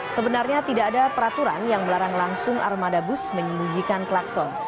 sebenarnya tidak ada peraturan yang melarang langsung armada bus menyembunyikan klakson